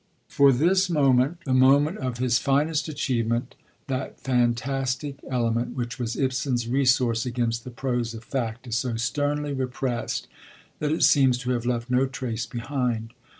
For this moment, the moment of his finest achievement, that fantastic element which was Ibsen's resource against the prose of fact is so sternly repressed that it seems to have left no trace behind.